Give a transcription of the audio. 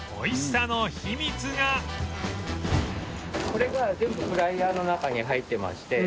これが全部フライヤーの中に入ってまして。